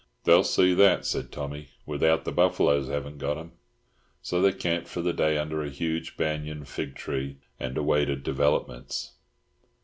"They'll see that," said Tommy, "without the buff'loes have got 'em." So they camped for the day under a huge banyan fig tree and awaited developments.